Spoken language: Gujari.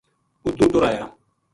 اُتو ٹُر آیا